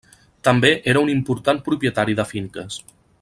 També era un important propietari de finques.